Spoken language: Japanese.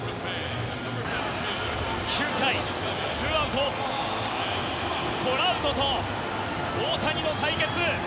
９回２アウトトラウトと大谷の対決！